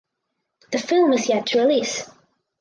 The film is yet to release.